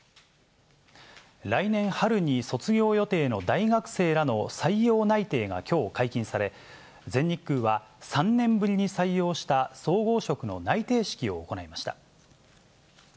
来年春に卒業予定の大学生らの採用内定がきょう解禁され、全日空は、３年ぶりに採用した総合職の内定式を行いました。